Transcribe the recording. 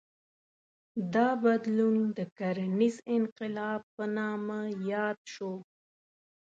دا بدلون د کرنیز انقلاب په نامه یاد شو.